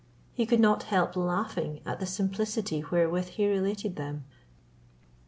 He could not help laughing at the simplicity wherewith he related them.